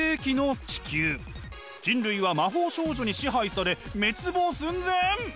人類は魔法少女に支配され滅亡寸前！